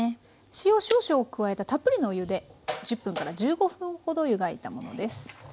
塩少々加えたたっぷりのお湯で１０分１５分ほど湯がいたものです。